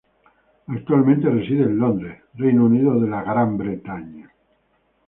Actualmente reside en Londres, Inglaterra.